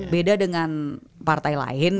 beda dengan partai lain